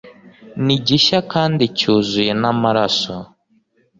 ni gishya kandi cyuzuye n'amaraso,